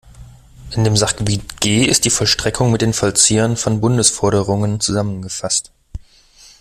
In dem Sachgebiet G ist die Vollstreckung mit den Vollziehern von Bundesforderungen zusammengefasst.